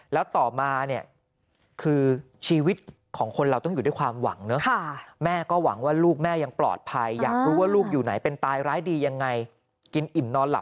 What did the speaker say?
แล้วต่อมาเนี่ยคือชีวิตของคนเราต้องอยู่ด้วยความหวังเนอะ